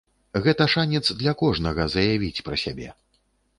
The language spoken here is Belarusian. Гэта шанец для кожнага заявіць пра сябе.